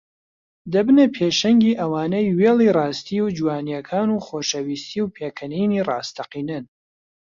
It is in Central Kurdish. دەبنە پێشەنگی ئەوانەی وێڵی ڕاستی و جوانییەکان و خۆشەویستی و پێکەنینی ڕاستەقینەن